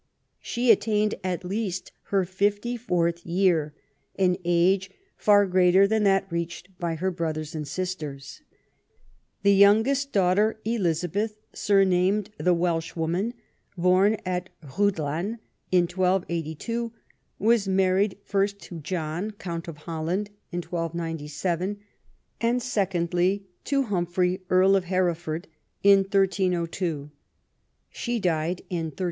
She attained at least her fifty fourth year, an age far greater than that reached by her brothers and sisters. The youngest daughter, Elizabeth^ surnamed the Welsh woman, born at Rhuddlan in 1282, was married first to John, Count of Holland (1297), and secondly to Humphrey, Earl of Hereford (1302). She died in 1316.